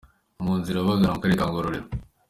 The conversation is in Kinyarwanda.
Mu nzira bagana mu karere ka Ngororero.